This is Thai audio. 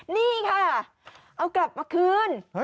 นี่ค่ะเอากลับมาคืน